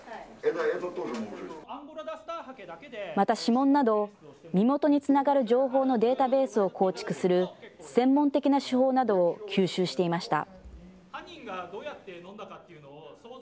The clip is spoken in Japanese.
また、指紋など、身元につながる情報のデータベースを構築する、専門的な手法などを吸収していました。